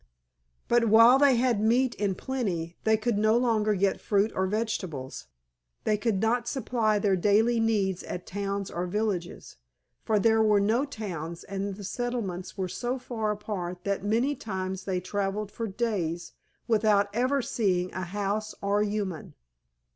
But while they had meat in plenty they could no longer get fruit or vegetables. They could not supply their daily needs at towns or villages, for there were no towns, and the settlements were so far apart that many times they traveled for days without ever seeing a house or human.